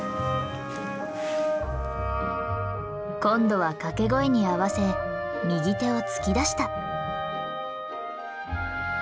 今度は掛け声に合わせ右手を突き出した。